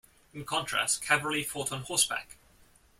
In contrast, cavalry fought on horseback.